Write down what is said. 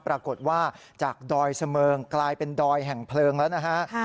ปรากฏว่าจากดอยเสมิงกลายเป็นดอยแห่งเพลิงแล้วนะฮะ